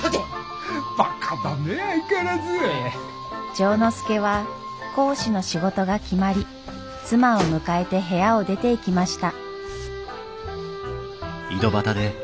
丈之助は講師の仕事が決まり妻を迎えて部屋を出ていきました。